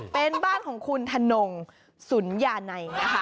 เป็นบ้านของคุณธนงสุนยานัยนะคะ